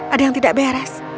ada yang tidak beres